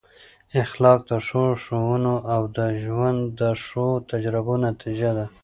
اخلاق د ښو ښوونو او د ژوند د ښو تجربو نتیجه ده.